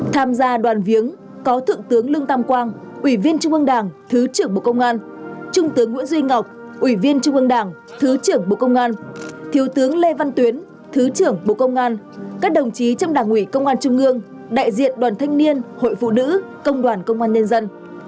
tham gia đoàn viếng có thượng tướng lương tam quang ủy viên trung ương đảng thứ trưởng bộ công an trung tướng nguyễn duy ngọc ủy viên trung ương đảng thứ trưởng bộ công an thiếu tướng lê văn tuyến thứ trưởng bộ công an các đồng chí trong đảng ủy công an trung ương đại diện đoàn thanh niên hội phụ nữ công đoàn công an nhân dân